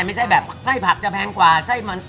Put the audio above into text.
ไม่ใช่แบบไส้ผักจะแพงกว่าไส้มัน